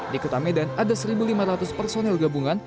di kota medan ada satu lima ratus personel gabungan